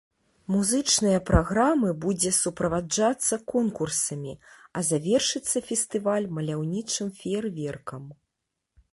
Музычная праграмы будзе суправаджацца конкурсамі, а завершыцца фестываль маляўнічым феерверкам.